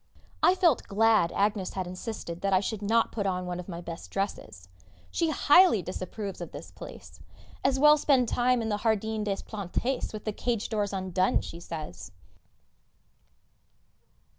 I felt glad Agnès had insisted that I should not put on one of my best dresses. She highly disapproves of this place. As well spend the time in the Jardin des Plantes with the cage doors undone, she says!